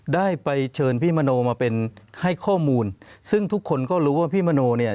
ได้ไปเชิญพี่มโนมาเป็นให้ข้อมูลซึ่งทุกคนก็รู้ว่าพี่มโนเนี่ย